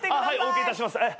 はいお受けいたします。